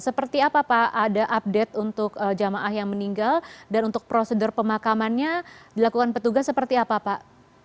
seperti apa pak ada update untuk jamaah yang meninggal dan untuk prosedur pemakamannya dilakukan petugas seperti apa pak